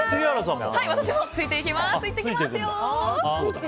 私もついていきます。